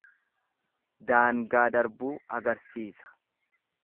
Daangaa darbuu agarsiisa.